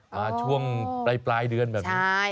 มาช่วงปลายเดือนแบบนี้